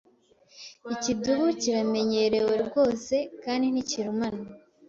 Ikidubu kiramenyerewe rwose kandi ntikiruma.